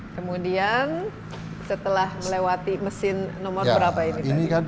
kemudian setelah melewati mesin nomor berapa ini tadi